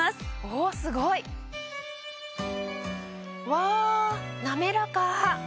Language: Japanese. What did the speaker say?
おすごい！わなめらか！